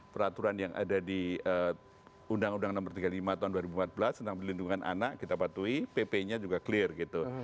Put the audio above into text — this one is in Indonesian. peraturan yang ada di undang undang nomor tiga puluh lima tahun dua ribu empat belas tentang perlindungan anak kita patuhi pp nya juga clear gitu